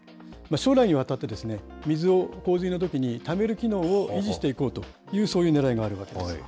将来にわたって、水を洪水のときにためる機能を維持していこうという、そういうねらいがあるわけです。